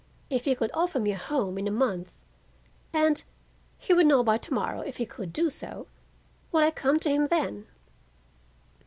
If he could offer me a home in a month—and he would know by to morrow if he could do so—would I come to him then?